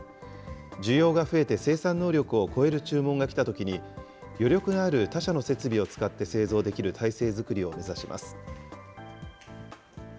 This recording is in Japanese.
需要が増えて生産能力を超える注文が来たときに余力のある他社の設備を使って製造できる体制作りを目指します。